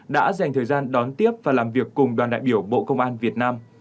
đã dành thời gian đón tiếp và làm việc cùng đoàn đại biểu bộ công an việt nam